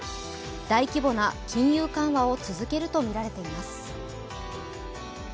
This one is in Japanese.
大規模な金融緩和を続けるとみられています。